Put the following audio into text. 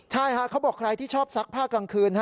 ใช่เขาบอกใครที่ชอบซักผ้ากลางคืน